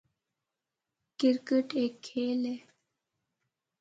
کرکٹ ہک کھیل ہے۔